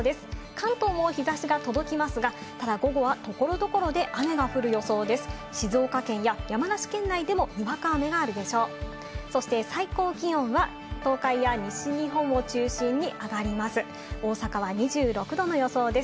関東も日差しが届きますが、ただ午後は所々で雨が降る予想です。